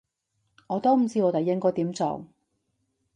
我都唔知我哋應該點做